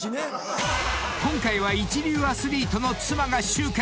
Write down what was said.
［今回は一流アスリートの妻が集結］